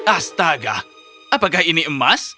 astaga apakah ini emas